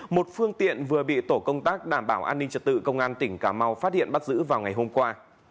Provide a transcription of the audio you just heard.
một phương tiện vừa bị tổ công tác đảm bảo an ninh trật tự công an tỉnh cà mau phát hiện bắt giữ vào ngày hôm qua